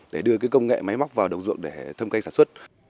để đưa cái công nghệ máy móc vào đồng ruộng để thâm cây sản xuất